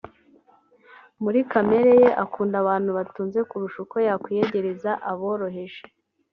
muri kamere ye akunda abantu batunze kurusha uko yakwiyegereza aboroheje